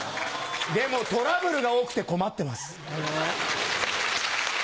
でもトラブルが多くて困ってます。